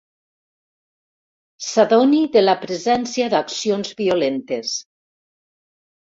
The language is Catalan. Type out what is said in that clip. S'adoni de la presència d'accions violentes.